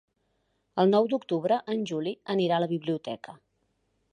El nou d'octubre en Juli anirà a la biblioteca.